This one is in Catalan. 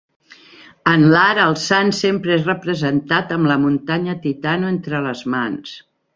En l'art el sant sempre és representat amb la muntanya Titano entre les mans.